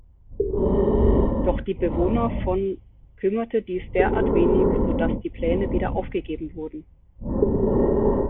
Doch die Bewohner von kümmerte dies derart wenig, sodass die Pläne wieder aufgegeben wurden.